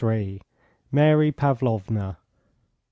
MARY PAVLOVNA.